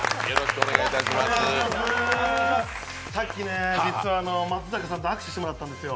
さっきね、実は松坂さんと握手していただいたんですよ。